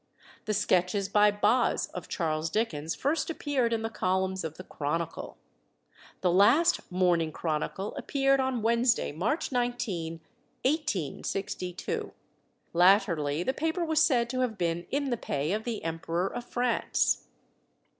The Sketches by Boz of Charles Dickens first appeared in the columns of the Chronicle. The last Morning Chronicle appeared on Wednesday, March 19, 1862. Latterly the paper was said to have been in the pay of the Emperor of France.